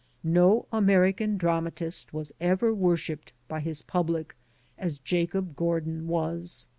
No American dramatist was ever worshiped by his public as Jacob Gordin was.